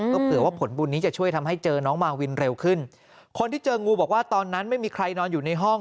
ก็เผื่อว่าผลบุญนี้จะช่วยทำให้เจอน้องมาวินเร็วขึ้นคนที่เจองูบอกว่าตอนนั้นไม่มีใครนอนอยู่ในห้อง